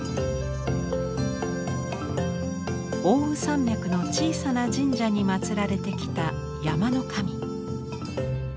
奥羽山脈の小さな神社に祀られてきた山の神。